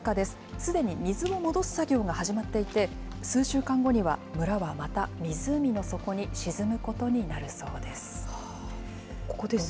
すでに水を戻す作業が始まっていて、数週間後には、村はまた湖の底に沈むことになるそうです。